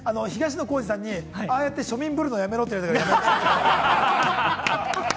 東野幸治さんに、ああやって、庶民ぶるのやめろ！って言われたから、やめました。